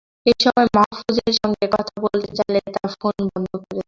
এ সময় মাহফুজের সঙ্গে কথা বলতে চাইলে তাঁরা ফোন বন্ধ করে দেন।